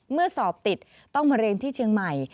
เมื่อสอบติดต้องมาเรียนที่เชียงใหม่